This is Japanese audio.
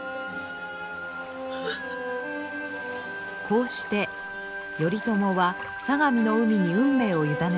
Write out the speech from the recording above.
こうして頼朝は相模の海に運命を委ねました。